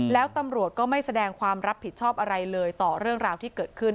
แล้วตำรวจก็ไม่แสดงความรับผิดชอบอะไรเลยต่อเรื่องราวที่เกิดขึ้น